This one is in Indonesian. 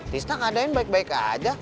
tisna keadaan baik baik aja